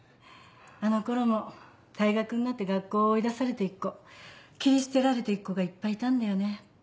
あの頃も退学になって学校を追い出されて行く子切り捨てられて行く子がいっぱいいたんだよね。